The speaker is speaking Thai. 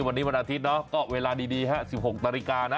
วันนี้วันอาทิตย์เนาะก็เวลาดีฮะ๑๖นาฬิกานะ